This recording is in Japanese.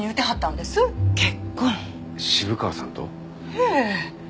ええ。